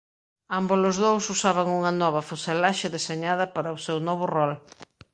Ámbolos dous usaban unha nova fuselaxe deseñada para o seu novo rol.